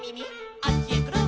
「あっちへくるん」